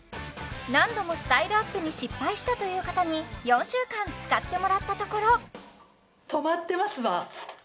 何度もスタイルアップに失敗したという方に４週間使ってもらったところあっ